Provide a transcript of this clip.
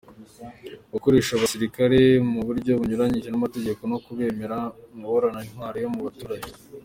– Gukoresha abasirikare mu buryo bunyuranyije n’amategeko, no kubemerera guhorana intwaro mu mu baturage;